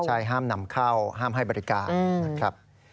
ใช่ห้ามนำเข้าห้ามให้บริการ